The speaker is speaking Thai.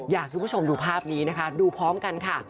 อยากให้คุณผู้ชมดูภาพนี้นะคะดูพร้อมกันค่ะ